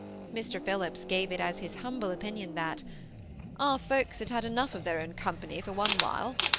Mr. Phillips gave it as his humble opinion that ^' our folks had had enough of their own company for one while."